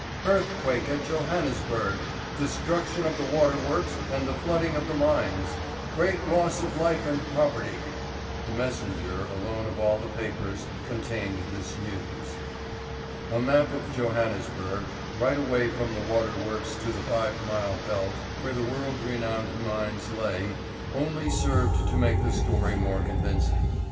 "Earthquake at Johannesburg! Destruction of the Water Works and the Flooding of the Mines. Great loss of life and property." The Messenger, alone of all the papers, contained this news. [Illustration: The Messenger, alone of all the papers, contained this news.] A map of Johannesburg, right away from the water works to the five mile belt, where the world renowned mines lay, only served to make the story more convincing.